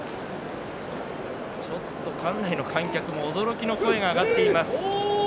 ちょっと館内の観客も驚きの声が上がっています。